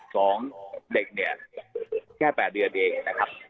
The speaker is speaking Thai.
สองเด็กเนี่ยแค่แปดเดือนเองนะครับนะครับ